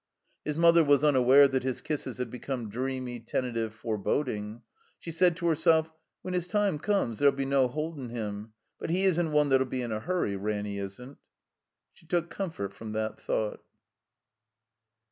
His mother was tmaware that his kisses had be come dreamy, tentative, foreboding. She said to herself: "When his time comes there '11 be no hold ing him. But he isn't one that 'U be in a hurry, Ranny isn't." She took comfort from that thought.